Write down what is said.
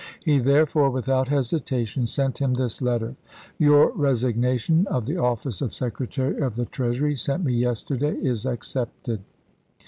He therefore, without hesitation, sent him this letter :" Your resignation of the office of Sec retary of the Treasury, sent me yesterday, is ac cepted.